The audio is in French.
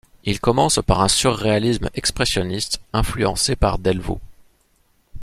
Il commence par un surréalisme expressionniste influencé par Delvaux.